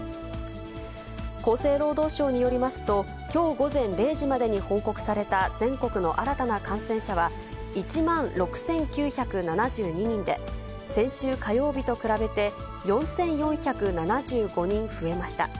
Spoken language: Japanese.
厚生労働省によりますと、きょう午前０時までに報告された全国の新たな感染者は、１万６９７２人で、先週火曜日と比べて４４７５人増えました。